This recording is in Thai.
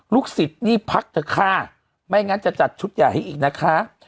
ลูกศิษย์นี่พักจะฆ่าไม่งั้นจะจัดชุดยาให้อีกนะคะ